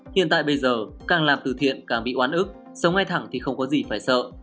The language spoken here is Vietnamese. hiện tại bây giờ càng làm từ thiện càng bị oán ức sống ai thẳng thì không có gì phải sợ